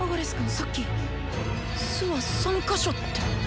さっき巣は３か所って。